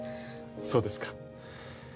そうですか。